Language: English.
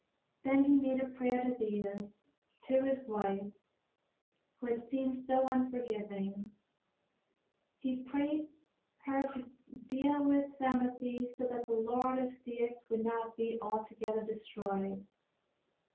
Then he made a prayer to Thetis, to his wife who had seemed so unforgiving. He prayed her to deal with Psamathe so that the land of Ceyx would not be altogether destroyed.